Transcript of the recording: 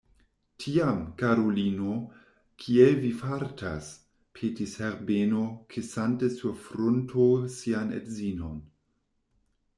Tiam, karulino, kiel vi fartas? petis Herbeno, kisante sur frunto sian edzinon.